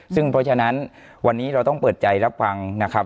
ซึ่งเพราะฉะนั้นวันนี้เราต้องเปิดใจรับฟังนะครับ